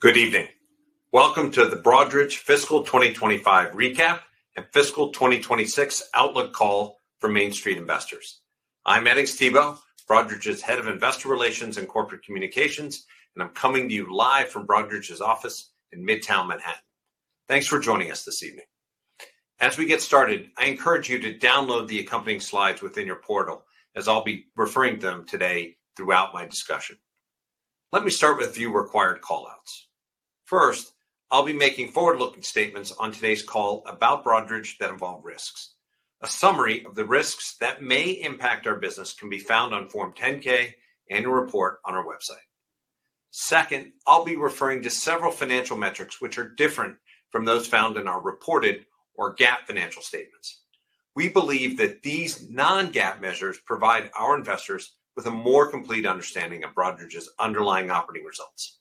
Good evening. Welcome to the Broadridge Fiscal 2025 Recap and Fiscal 2026 Outlook Call for Main Street Investors. I'm Edings Thibault, Broadridge's Head of Investor Relations and Corporate Communications, and I'm coming to you live from Broadridge's office in Midtown Manhattan. Thanks for joining us this evening. As we get started, I encourage you to download the accompanying slides within your portal, as I'll be referring to them today throughout my discussion. Let me start with a few required callouts. First, I'll be making forward-looking statements on today's call about Broadridge that involve risks. A summary of the risks that may impact our business can be found on Form 10-K and in a report on our website. Second, I'll be referring to several financial metrics which are different from those found in our reported or GAAP financial statements. We believe that these non-GAAP measures provide our investors with a more complete understanding of Broadridge's underlying operating results.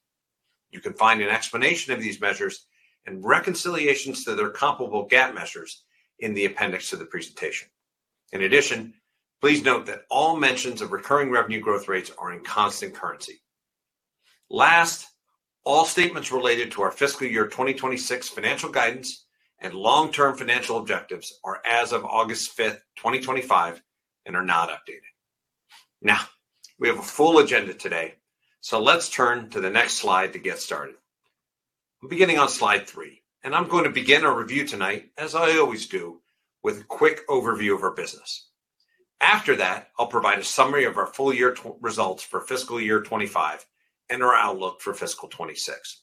You can find an explanation of these measures and reconciliations to their comparable GAAP measures in the appendix to the presentation. In addition, please note that all mentions of recurring revenue growth rates are in constant currency. Last, all statements related to our Fiscal Year 2026 financial guidance and long-term financial objectives are as of August 5, 2025, and are not updated. Now, we have a full agenda today, so let's turn to the next slide to get started. I'm beginning on Slide 3, and I'm going to begin our review tonight, as I always do, with a quick overview of our business. After that, I'll provide a summary of our full-year results for Fiscal Year 2025 and our outlook for Fiscal 2026.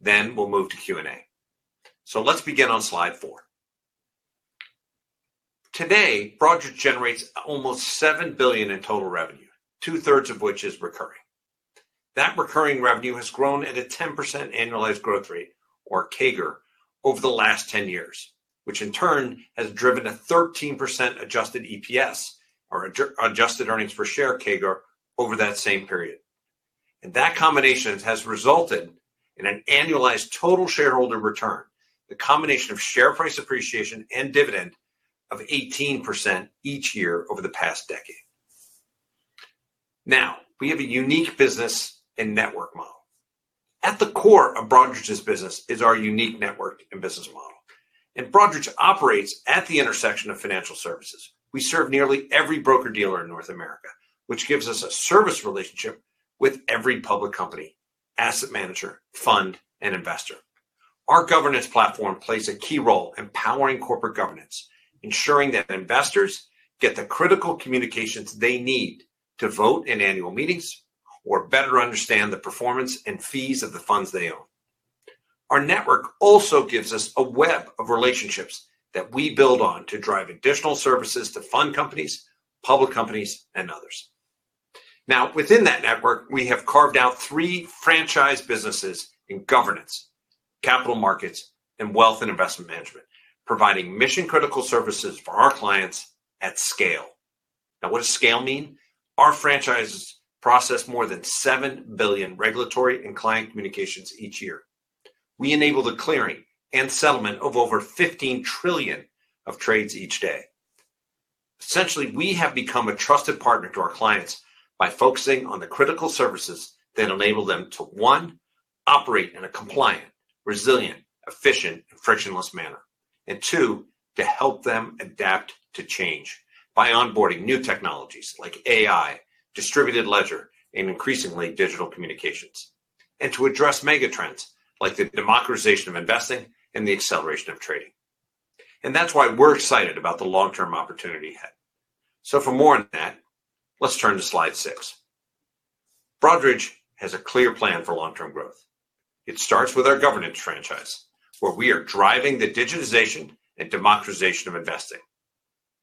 Then we'll move to Q&A. So let's begin on Slide 4. Today, Broadridge generates almost $7 billion in total revenue, two-thirds of which is recurring. That recurring revenue has grown at a 10% annualized growth rate, or CAGR, over the last 10 years, which in turn has driven a 13% Adjusted EPS, or adjusted earnings per share CAGR, over that same period. And that combination has resulted in an annualized total shareholder return, the combination of share price appreciation and dividend, of 18% each year over the past decade. Now, we have a unique business and network model. At the core of Broadridge's business is our unique network and business model. And Broadridge operates at the intersection of financial services. We serve nearly every broker-dealer in North America, which gives us a service relationship with every public company, asset manager, fund, and investor. Our Governance platform plays a key role in powering corporate Governance, ensuring that investors get the critical communications they need to vote in annual meetings or better understand the performance and fees of the funds they own. Our network also gives us a web of relationships that we build on to drive additional services to fund companies, public companies, and others. Now, within that network, we have carved out three franchise businesses in Governance, Capital Markets, and Wealth and Investment Management, providing mission-critical services for our clients at scale. Now, what does scale mean? Our franchises process more than $7 billion regulatory and client communications each year. We enable the clearing and settlement of over $15 trillion of trades each day. Essentially, we have become a trusted partner to our clients by focusing on the critical services that enable them to, one, operate in a compliant, resilient, efficient, and frictionless manner, and, two, to help them adapt to change by onboarding new technologies like AI, distributed ledger, and increasingly digital communications, and to address mega-trends like the democratization of investing and the acceleration of trading, and that's why we're excited about the long-term opportunity ahead, so for more on that, let's turn to Slide 6. Broadridge has a clear plan for long-term growth. It starts with our governance franchise, where we are driving the digitization and democratization of investing.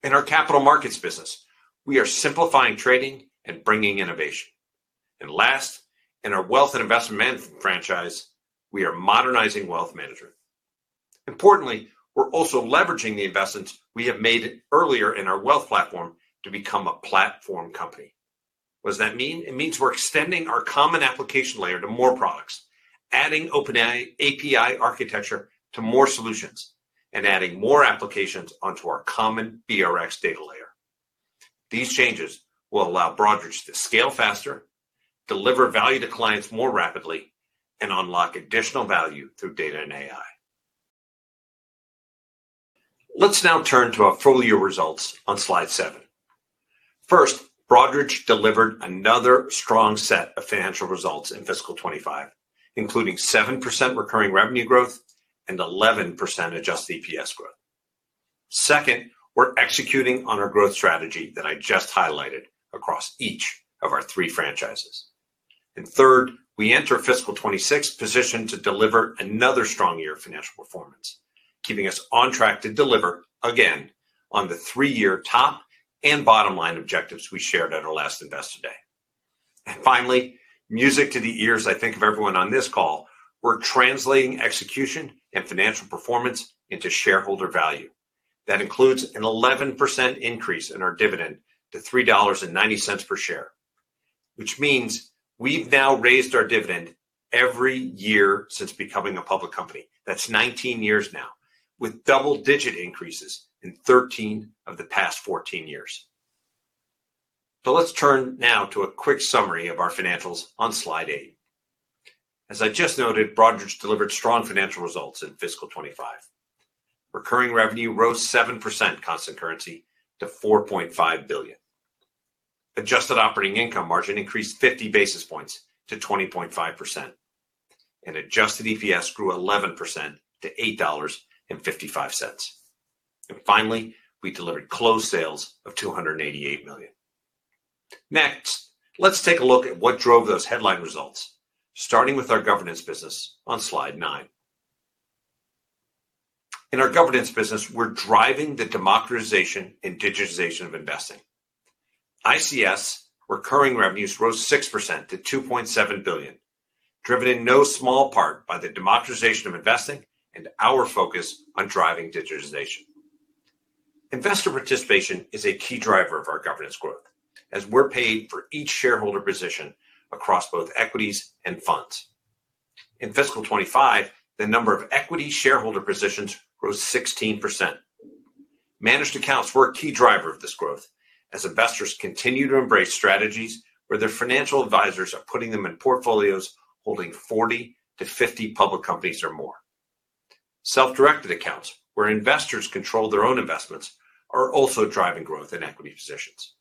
In our capital markets business, we are simplifying trading and bringing innovation, and last, in our wealth and investment management franchise, we are modernizing wealth management. Importantly, we're also leveraging the investments we have made earlier in our wealth platform to become a platform company. What does that mean? It means we're extending our common application layer to more products, adding OpenAI API architecture to more solutions, and adding more applications onto our common BRx data layer. These changes will allow Broadridge to scale faster, deliver value to clients more rapidly, and unlock additional value through data and AI. Let's now turn to our full-year results on Slide 7. First, Broadridge delivered another strong set of financial results in Fiscal 2025, including 7% recurring revenue growth and 11% adjusted EPS growth. Second, we're executing on our growth strategy that I just highlighted across each of our three franchises. Third, we enter Fiscal 26 positioned to deliver another strong year of financial performance, keeping us on track to deliver, again, on the three-year top and bottom line objectives we shared at our last Investor Day. Finally, music to the ears, I think, of everyone on this call, we're translating execution and financial performance into shareholder value. That includes an 11% increase in our dividend to $3.90 per share, which means we've now raised our dividend every year since becoming a public company. That's 19 years now, with double-digit increases in 13 of the past 14 years. Let's turn now to a quick summary of our financials on Slide 8. As I just noted, Broadridge delivered strong financial results in Fiscal 25. Recurring revenue rose 7% constant currency to $4.5 billion. Adjusted operating income margin increased 50 basis points to 20.5%. Adjusted EPS grew 11% to $8.55. Finally, we delivered closed sales of $288 million. Next, let's take a look at what drove those headline results, starting with our governance business on Slide 9. In our governance business, we're driving the democratization and digitization of investing. ICS recurring revenues rose 6% to $2.7 billion, driven in no small part by the democratization of investing and our focus on driving digitization. Investor participation is a key driver of our governance growth, as we're paid for each shareholder position across both equities and funds. In Fiscal 2025, the number of equity shareholder positions rose 16%. Managed accounts were a key driver of this growth, as investors continue to embrace strategies where their financial advisors are putting them in portfolios holding 40-50 public companies or more. Self-directed accounts, where investors control their own investments, are also driving growth in equity positions.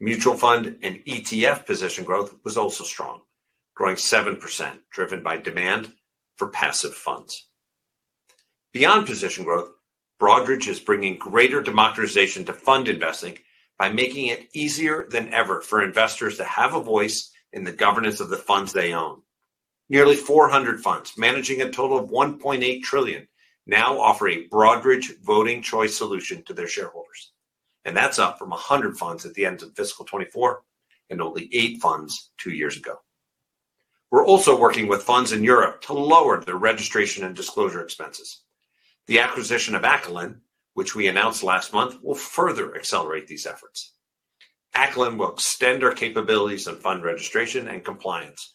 Mutual fund and ETF position growth was also strong, growing 7%, driven by demand for passive funds. Beyond position growth, Broadridge is bringing greater democratization to fund investing by making it easier than ever for investors to have a voice in the governance of the funds they own. Nearly 400 funds, managing a total of $1.8 trillion, now offer a Broadridge Voting Choice solution to their shareholders, and that's up from 100 funds at the end of Fiscal 2024 and only eight funds two years ago. We're also working with funds in Europe to lower their registration and disclosure expenses. The acquisition of Acolin, which we announced last month, will further accelerate these efforts. Acolin will extend our capabilities on fund registration and compliance,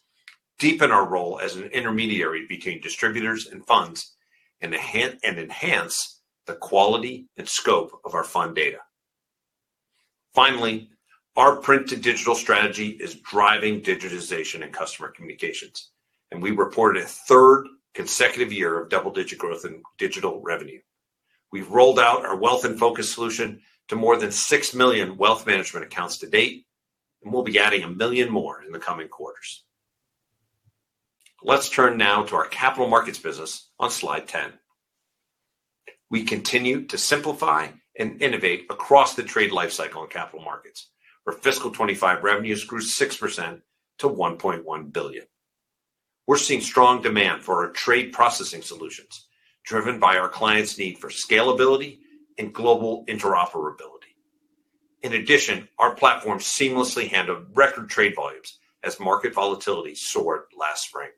deepen our role as an intermediary between distributors and funds, and enhance the quality and scope of our fund data. Finally, our print-to-digital strategy is driving digitization and customer communications, and we reported a third consecutive year of double-digit growth in digital revenue. We've rolled out our Wealth In Focus solution to more than 6 million wealth management accounts to date, and we'll be adding a million more in the coming quarters. Let's turn now to our capital markets business on Slide 10. We continue to simplify and innovate across the trade lifecycle and capital markets, where fiscal 2025 revenues grew 6% to $1.1 billion. We're seeing strong demand for our trade processing solutions, driven by our clients' need for scalability and global interoperability. In addition, our platform seamlessly handled record trade volumes as market volatility soared last spring.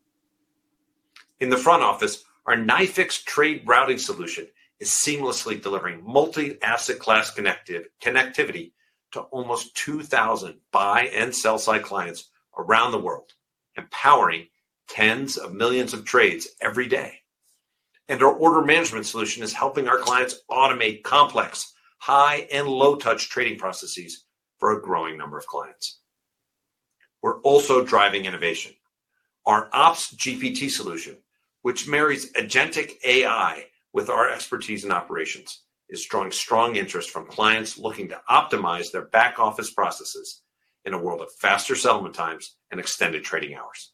In the front office, our NYFIX trade routing solution is seamlessly delivering multi-asset class connectivity to almost 2,000 buy and sell-side clients around the world, empowering tens of millions of trades every day, and our order management solution is helping our clients automate complex, high- and low-touch trading processes for a growing number of clients. We're also driving innovation. Our OpsGPT solution, which marries agentic AI with our expertise in operations, is drawing strong interest from clients looking to optimize their back-office processes in a world of faster settlement times and extended trading hours.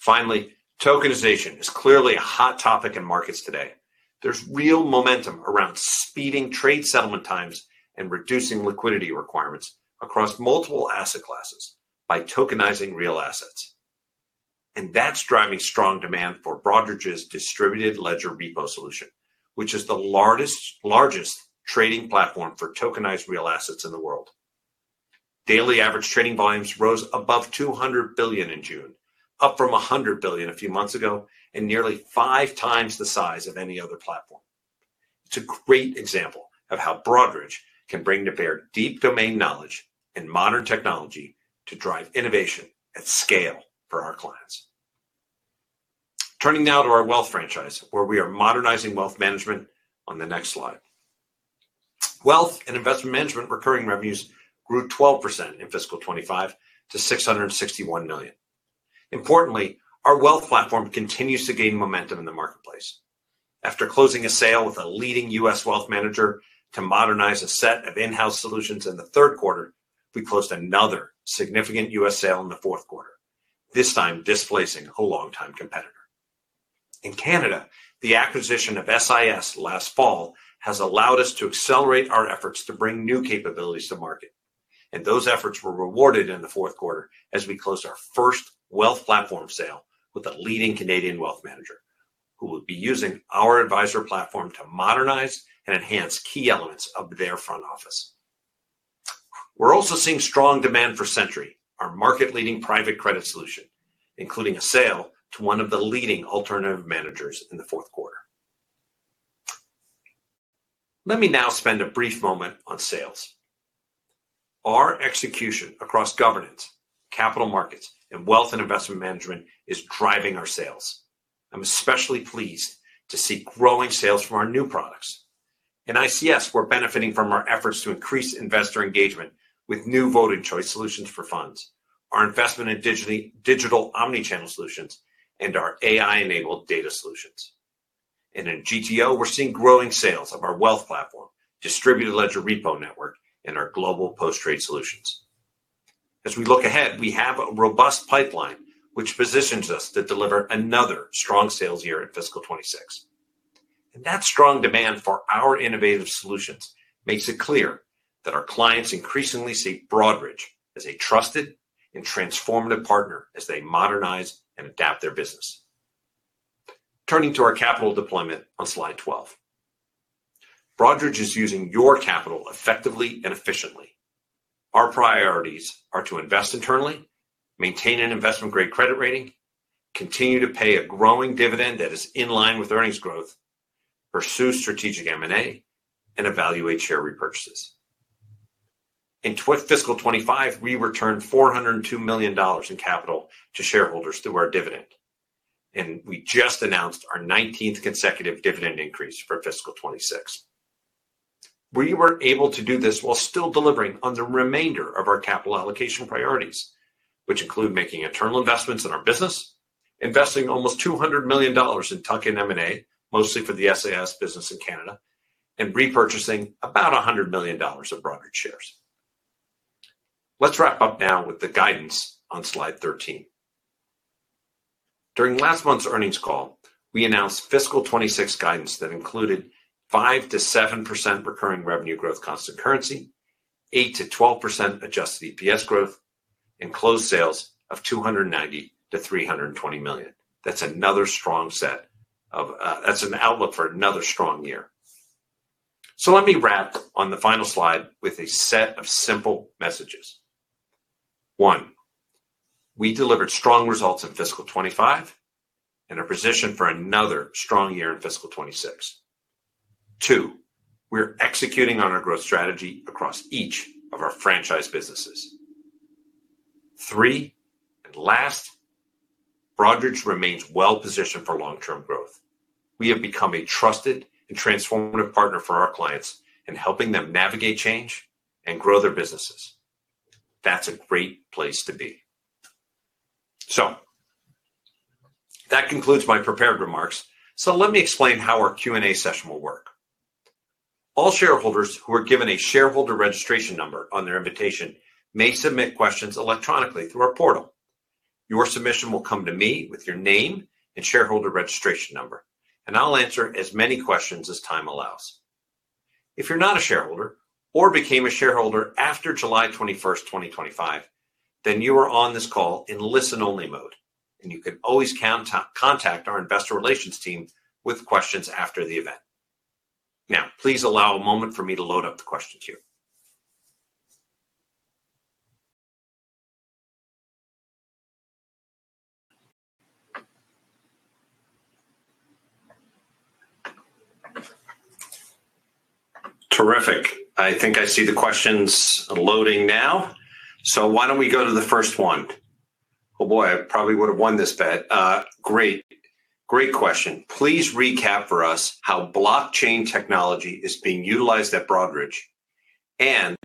Finally, tokenization is clearly a hot topic in markets today. There's real momentum around speeding trade settlement times and reducing liquidity requirements across multiple asset classes by tokenizing real assets, and that's driving strong demand for Broadridge's Distributed Ledger Repo solution, which is the largest trading platform for tokenized real assets in the world. Daily average trading volumes rose above $200 billion in June, up from $100 billion a few months ago and nearly five times the size of any other platform. It's a great example of how Broadridge can bring to bear deep domain knowledge and modern technology to drive innovation at scale for our clients. Turning now to our wealth franchise, where we are modernizing wealth management on the next slide. Wealth and investment management recurring revenues grew 12% in Fiscal 2025 to $661 million. Importantly, our wealth platform continues to gain momentum in the marketplace. After closing a sale with a leading U.S. wealth manager to modernize a set of in-house solutions in the third quarter, we closed another significant U.S. sale in the fourth quarter, this time displacing a longtime competitor. In Canada, the acquisition of SIS last fall has allowed us to accelerate our efforts to bring new capabilities to market, and those efforts were rewarded in the fourth quarter as we closed our first wealth platform sale with a leading Canadian wealth manager, who will be using our advisor platform to modernize and enhance key elements of their front office. We're also seeing strong demand for Sentry, our market-leading private credit solution, including a sale to one of the leading alternative managers in the fourth quarter. Let me now spend a brief moment on sales. Our execution across governance, capital markets, and wealth and investment management is driving our sales. I'm especially pleased to see growing sales from our new products. In ICS, we're benefiting from our efforts to increase investor engagement with new voting choice solutions for funds, our investment in digital omnichannel solutions, and our AI-enabled data solutions. And in GTO, we're seeing growing sales of our Wealth Platform, Distributed Ledger Repo network, and our global post-trade solutions. As we look ahead, we have a robust pipeline, which positions us to deliver another strong sales year in Fiscal 2026. And that strong demand for our innovative solutions makes it clear that our clients increasingly see Broadridge as a trusted and transformative partner as they modernize and adapt their business. Turning to our capital deployment on Slide 12, Broadridge is using your capital effectively and efficiently. Our priorities are to invest internally, maintain an investment-grade credit rating, continue to pay a growing dividend that is in line with earnings growth, pursue strategic M&A, and evaluate share repurchases. In Fiscal 25, we returned $402 million in capital to shareholders through our dividend. We just announced our 19th consecutive dividend increase for Fiscal 26. We were able to do this while still delivering on the remainder of our capital allocation priorities, which include making internal investments in our business, investing almost $200 million in tuck-in M&A, mostly for the SIS business in Canada, and repurchasing about $100 million of Broadridge shares. Let's wrap up now with the guidance on Slide 13. During last month's earnings call, we announced Fiscal 26 guidance that included 5%-7% recurring revenue growth constant currency, 8%-12% adjusted EPS growth, and closed sales of $290 million-$320 million. That's another strong set of—that's an outlook for another strong year. Let me wrap on the final slide with a set of simple messages. One, we delivered strong results in Fiscal 2025 and are positioned for another strong year in Fiscal 2026. Two, we're executing on our growth strategy across each of our franchise businesses. Three, and last, Broadridge remains well-positioned for long-term growth. We have become a trusted and transformative partner for our clients in helping them navigate change and grow their businesses. That's a great place to be. So that concludes my prepared remarks. So let me explain how our Q&A session will work. All shareholders who are given a shareholder registration number on their invitation may submit questions electronically through our portal. Your submission will come to me with your name and shareholder registration number, and I'll answer as many questions as time allows. If you're not a shareholder or became a shareholder after July 21st, 2025, then you are on this call in listen-only mode, and you can always contact our investor relations team with questions after the event. Now, please allow a moment for me to load up the questions here. Terrific. I think I see the questions loading now. So why don't we go to the first one? Oh, boy, I probably would have won this bet. Great. Great question. Please recap for us how blockchain technology is being utilized at Broadridge, and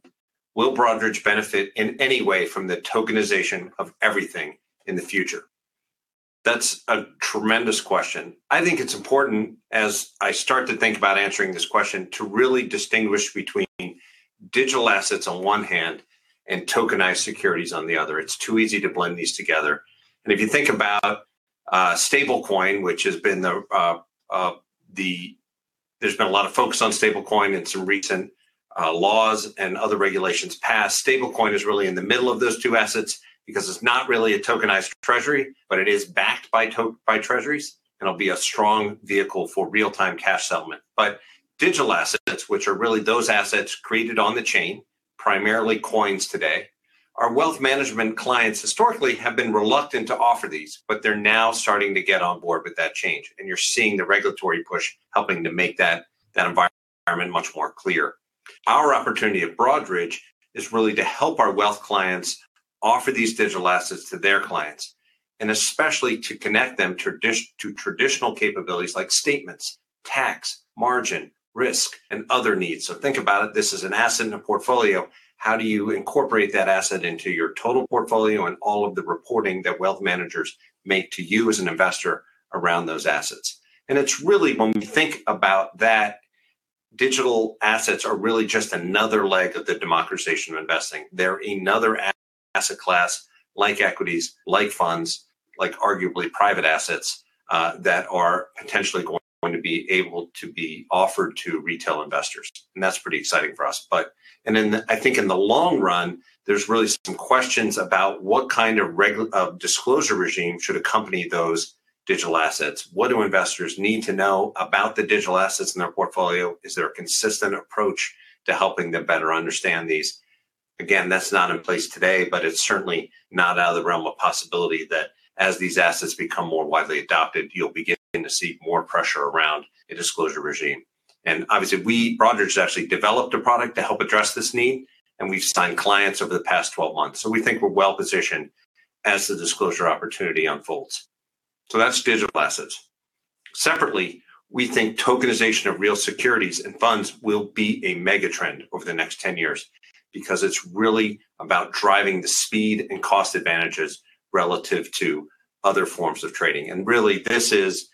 will Broadridge benefit in any way from the tokenization of everything in the future? That's a tremendous question. I think it's important, as I start to think about answering this question, to really distinguish between digital assets on one hand and tokenized securities on the other. It's too easy to blend these together. And if you think about stablecoin, there's been a lot of focus on stablecoin and some recent laws and other regulations passed. Stablecoin is really in the middle of those two assets because it's not really a tokenized treasury, but it is backed by treasuries and will be a strong vehicle for real-time cash settlement. But digital assets, which are really those assets created on the chain, primarily coins today, our wealth management clients historically have been reluctant to offer these, but they're now starting to get on board with that change. And you're seeing the regulatory push helping to make that environment much more clear. Our opportunity at Broadridge is really to help our wealth clients offer these digital assets to their clients, and especially to connect them to traditional capabilities like statements, tax, margin, risk, and other needs. So think about it. This is an asset in a portfolio. How do you incorporate that asset into your total portfolio and all of the reporting that wealth managers make to you as an investor around those assets? And it's really, when we think about that, digital assets are really just another leg of the democratization of investing. They're another asset class, like equities, like funds, like arguably private assets that are potentially going to be able to be offered to retail investors. And that's pretty exciting for us. But, and then I think in the long run, there's really some questions about what kind of disclosure regime should accompany those digital assets. What do investors need to know about the digital assets in their portfolio? Is there a consistent approach to helping them better understand these? Again, that's not in place today, but it's certainly not out of the realm of possibility that as these assets become more widely adopted, you'll begin to see more pressure around a disclosure regime. And obviously, Broadridge has actually developed a product to help address this need, and we've signed clients over the past 12 months. So we think we're well-positioned as the disclosure opportunity unfolds. So that's digital assets. Separately, we think tokenization of real securities and funds will be a mega trend over the next 10 years because it's really about driving the speed and cost advantages relative to other forms of trading. And really, this is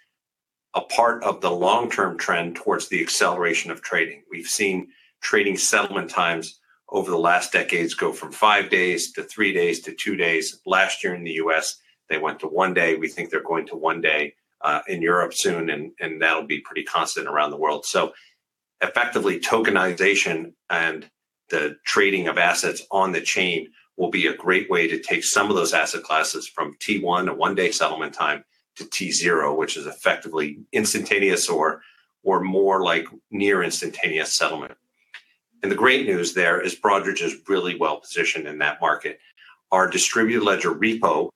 a part of the long-term trend towards the acceleration of trading. We've seen trading settlement times over the last decades go from five days to three days to two days. Last year in the U.S., they went to one day. We think they're going to one day in Europe soon, and that'll be pretty constant around the world. Effectively, tokenization and the trading of assets on the chain will be a great way to take some of those asset classes from T+1, a one-day settlement time, to T+0, which is effectively instantaneous or more like near-instantaneous settlement. The great news there is Broadridge is really well-positioned in that market. Our Distributed Ledger Repo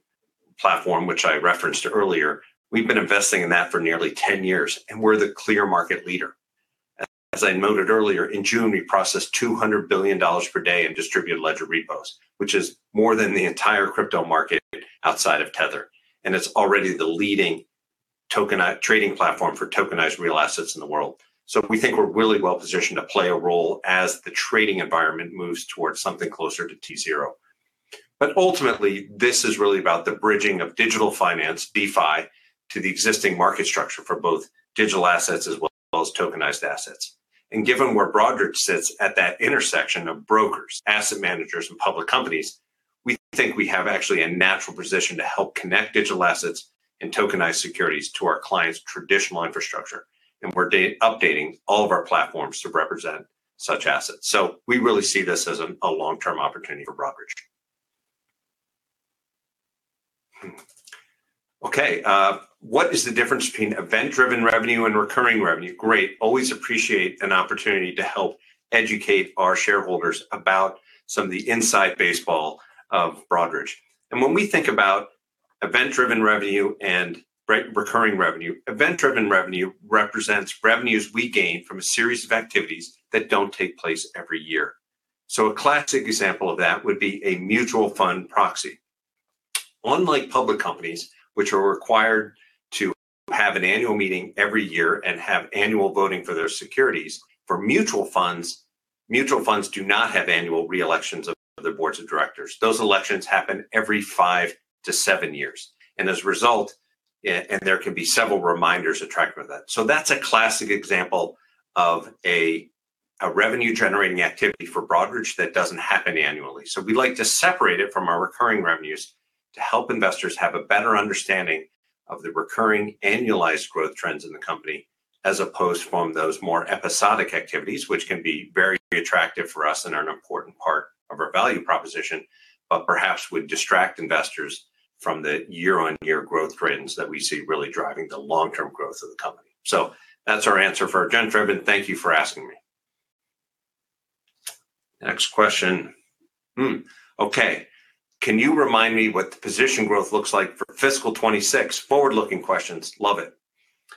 platform, which I referenced earlier, we've been investing in that for nearly 10 years, and we're the clear market leader. As I noted earlier, in June, we processed $200 billion per day in Distributed Ledger repos, which is more than the entire crypto market outside of Tether. It's already the leading trading platform for tokenized real assets in the world. So we think we're really well-positioned to play a role as the trading environment moves towards something closer to T+0. But ultimately, this is really about the bridging of digital finance, DeFi, to the existing market structure for both digital assets as well as tokenized assets. And given where Broadridge sits at that intersection of brokers, asset managers, and public companies, we think we have actually a natural position to help connect digital assets and tokenized securities to our clients' traditional infrastructure. And we're updating all of our platforms to represent such assets. So we really see this as a long-term opportunity for Broadridge. Okay. What is the difference between event-driven revenue and recurring revenue? Great. Always appreciate an opportunity to help educate our shareholders about some of the inside baseball of Broadridge. When we think about event-driven revenue and recurring revenue, event-driven revenue represents revenues we gain from a series of activities that don't take place every year. A classic example of that would be a mutual fund proxy. Unlike public companies, which are required to have an annual meeting every year and have annual voting for their securities, for mutual funds, mutual funds do not have annual reelections of their boards of directors. Those elections happen every five to seven years. As a result, there can be several reminders attached to that. That's a classic example of a revenue-generating activity for Broadridge that doesn't happen annually. We'd like to separate it from our recurring revenues to help investors have a better understanding of the recurring annualized growth trends in the company, as opposed to those more episodic activities, which can be very attractive for us and are an important part of our value proposition, but perhaps would distract investors from the year-on-year growth trends that we see really driving the long-term growth of the company. That's our answer for agenda driven. Thank you for asking me. Next question. Okay. Can you remind me what the position growth looks like for Fiscal 2026? Forward-looking questions. Love it.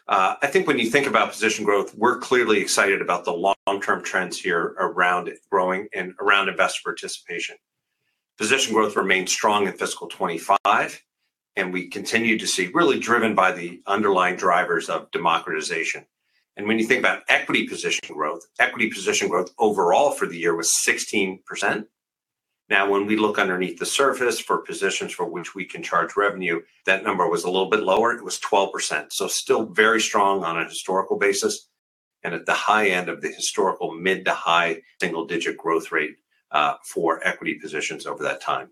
I think when you think about position growth, we're clearly excited about the long-term trends here around growing and around investor participation. Position growth remains strong in Fiscal 2025, and we continue to see really driven by the underlying drivers of democratization. When you think about equity position growth, equity position growth overall for the year was 16%. Now, when we look underneath the surface for positions for which we can charge revenue, that number was a little bit lower. It was 12%. Still very strong on a historical basis and at the high end of the historical mid to high single-digit growth rate for equity positions over that time.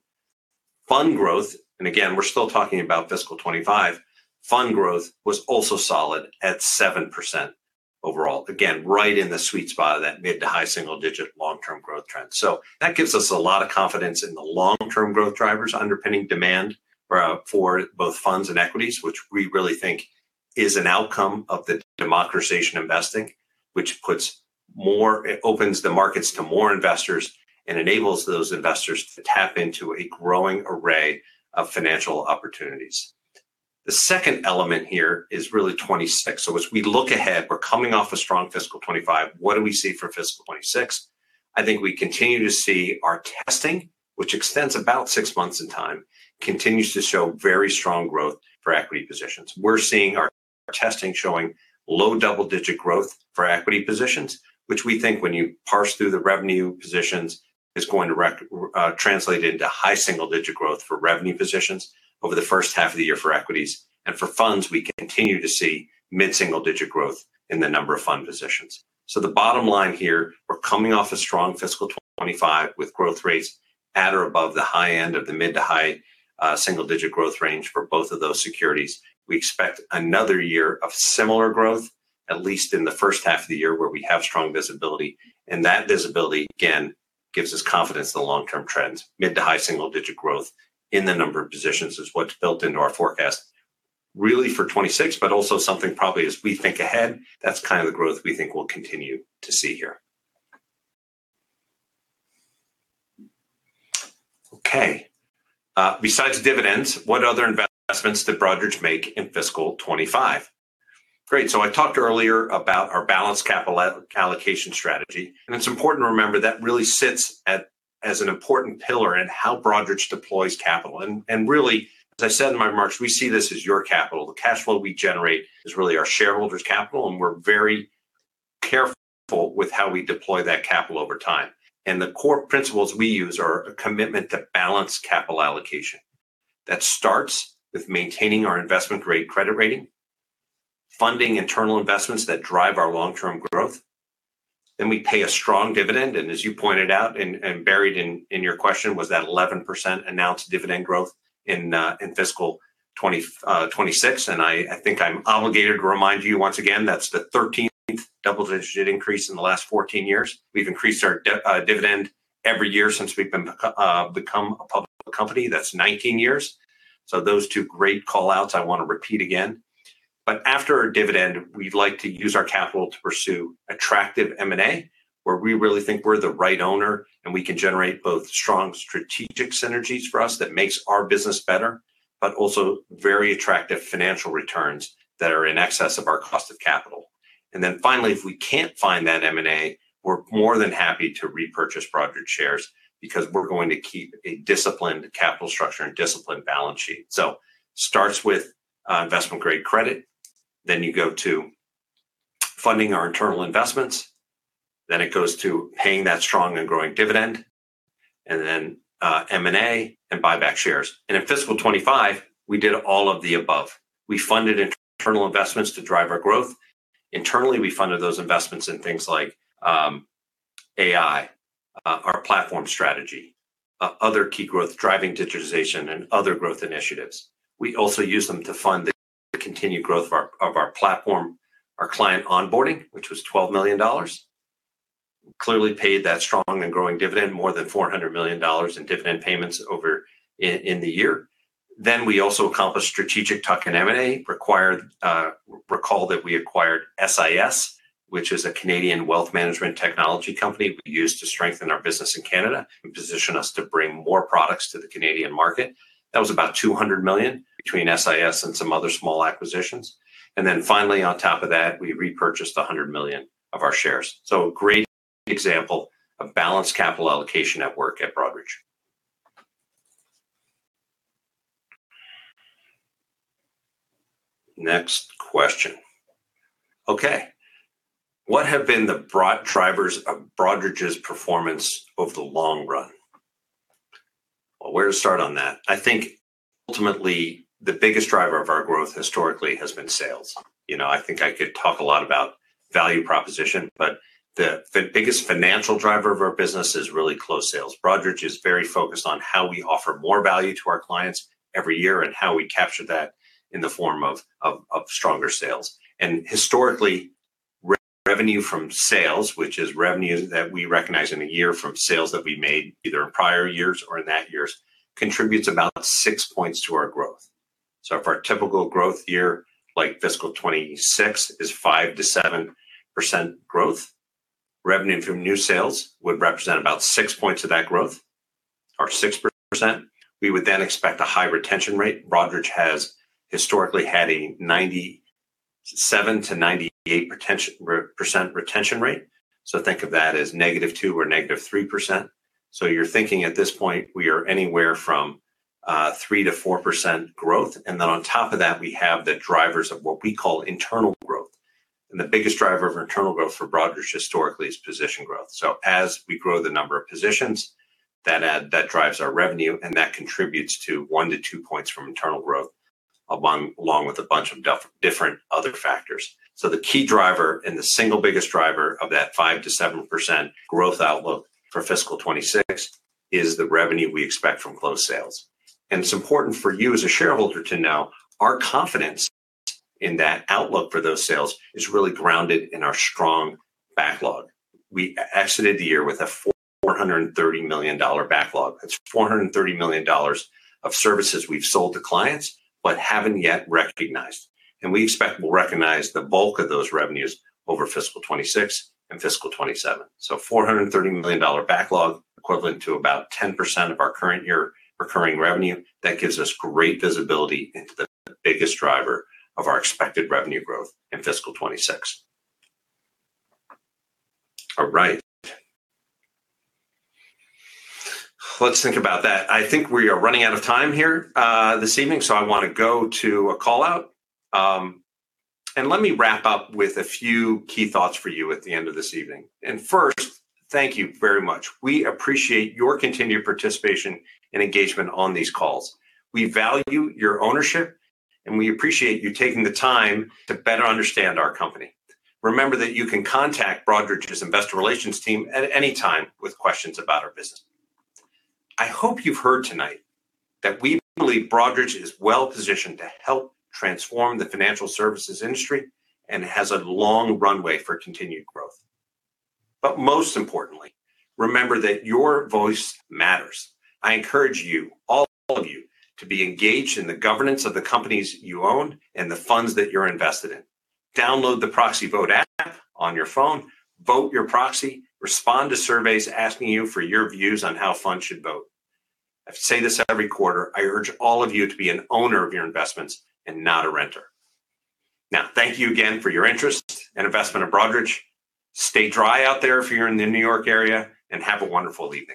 Fund growth, and again, we're still talking about Fiscal 2025, fund growth was also solid at 7% overall. Again, right in the sweet spot of that mid to high single-digit long-term growth trend. So that gives us a lot of confidence in the long-term growth drivers underpinning demand for both funds and equities, which we really think is an outcome of the democratization investing, which puts more opens the markets to more investors and enables those investors to tap into a growing array of financial opportunities. The second element here is really 26. So as we look ahead, we're coming off a strong Fiscal 25. What do we see for Fiscal 26? I think we continue to see our testing, which extends about six months in time, continues to show very strong growth for equity positions. We're seeing our testing showing low double-digit growth for equity positions, which we think when you parse through the revenue positions, is going to translate into high single-digit growth for revenue positions over the first half of the year for equities. For funds, we continue to see mid-single-digit growth in the number of fund positions. So the bottom line here, we're coming off a strong Fiscal 2025 with growth rates at or above the high end of the mid to high single-digit growth range for both of those securities. We expect another year of similar growth, at least in the first half of the year where we have strong visibility. And that visibility, again, gives us confidence in the long-term trends. Mid to high single-digit growth in the number of positions is what's built into our forecast really for 2026, but also something probably as we think ahead, that's kind of the growth we think we'll continue to see here. Okay. Besides dividends, what other investments did Broadridge make in Fiscal 2025? Great. So I talked earlier about our balanced capital allocation strategy, and it's important to remember that really sits as an important pillar in how Broadridge deploys capital. And really, as I said in my remarks, we see this as your capital. The cash flow we generate is really our shareholders' capital, and we're very careful with how we deploy that capital over time. And the core principles we use are a commitment to balanced capital allocation. That starts with maintaining our investment-grade credit rating, funding internal investments that drive our long-term growth. Then we pay a strong dividend. And as you pointed out and buried in your question, was that 11% announced dividend growth in Fiscal 2026? And I think I'm obligated to remind you once again, that's the 13th double-digit increase in the last 14 years. We've increased our dividend every year since we've become a public company. That's 19 years, so those two great callouts I want to repeat again, but after our dividend, we'd like to use our capital to pursue attractive M&A, where we really think we're the right owner and we can generate both strong strategic synergies for us that make our business better, but also very attractive financial returns that are in excess of our cost of capital, and then finally, if we can't find that M&A, we're more than happy to repurchase Broadridge shares because we're going to keep a disciplined capital structure and disciplined balance sheet, so it starts with investment-grade credit, then you go to funding our internal investments, then it goes to paying that strong and growing dividend, and then M&A and buyback shares. In Fiscal 2025, we did all of the above. We funded internal investments to drive our growth. Internally, we funded those investments in things like AI, our platform strategy, other key growth driving digitization, and other growth initiatives. We also use them to fund the continued growth of our platform, our client onboarding, which was $12 million. Clearly paid that strong and growing dividend, more than $400 million in dividend payments over the year. Then we also accomplished strategic tuck and M&A. Recall that we acquired SIS, which is a Canadian wealth management technology company we used to strengthen our business in Canada and position us to bring more products to the Canadian market. That was about $200 million between SIS and some other small acquisitions. And then finally, on top of that, we repurchased $100 million of our shares. So a great example of balanced capital allocation at work at Broadridge. Next question. Okay. What have been the broad drivers of Broadridge's performance over the long run? Well, where to start on that? I think ultimately the biggest driver of our growth historically has been sales. I think I could talk a lot about value proposition, but the biggest financial driver of our business is really close sales. Broadridge is very focused on how we offer more value to our clients every year and how we capture that in the form of stronger sales. And historically, revenue from sales, which is revenue that we recognize in a year from sales that we made either in prior years or in that years, contributes about six points to our growth. So if our typical growth year like Fiscal 2026 is 5%-7% growth, revenue from new sales would represent about six points of that growth or 6%. We would then expect a high retention rate. Broadridge has historically had a 97-98% retention rate. So think of that as negative 2% or negative 3%. So you're thinking at this point, we are anywhere from 3%-4% growth. And then on top of that, we have the drivers of what we call internal growth. And the biggest driver of internal growth for Broadridge historically is position growth. So as we grow the number of positions, that drives our revenue, and that contributes to 1-2 points from internal growth along with a bunch of different other factors. So the key driver and the single biggest driver of that 5%-7% growth outlook for fiscal 2026 is the revenue we expect from closed sales. And it's important for you as a shareholder to know our confidence in that outlook for those sales is really grounded in our strong backlog. We exited the year with a $430 million backlog. It's $430 million of services we've sold to clients, but haven't yet recognized. We expect we'll recognize the bulk of those revenues over Fiscal 26 and Fiscal 27. $430 million backlog equivalent to about 10% of our current year recurring revenue. That gives us great visibility into the biggest driver of our expected revenue growth in Fiscal 26. All right. Let's think about that. I think we are running out of time here this evening, so I want to go to a callout. Let me wrap up with a few key thoughts for you at the end of this evening. First, thank you very much. We appreciate your continued participation and engagement on these calls. We value your ownership, and we appreciate you taking the time to better understand our company. Remember that you can contact Broadridge's investor relations team at any time with questions about our business. I hope you've heard tonight that we believe Broadridge is well-positioned to help transform the financial services industry and has a long runway for continued growth. But most importantly, remember that your voice matters. I encourage you, all of you, to be engaged in the governance of the companies you own and the funds that you're invested in. Download the ProxyVote app on your phone, vote your proxy, respond to surveys asking you for your views on how funds should vote. I say this every quarter. I urge all of you to be an owner of your investments and not a renter. Now, thank you again for your interest and investment in Broadridge. Stay dry out there if you're in the New York area, and have a wonderful evening.